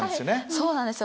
そうなんですよ。